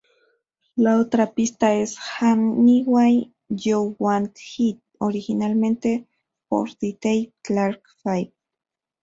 La otra pista es "Anyway You Want It", originalmente por The Dave Clark Five.